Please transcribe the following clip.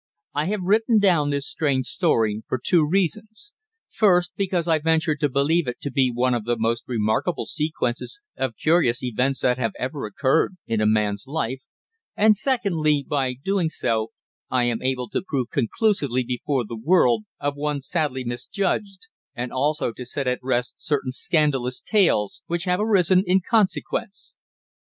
I have written down this strange story for two reasons: first, because I venture to believe it to be one of the most remarkable sequences of curious events that have ever occurred in a man's life; and secondly, by so doing, I am able to prove conclusively before the world the innocence of one sadly misjudged, and also to set at rest certain scandalous tales which have arisen in consequence.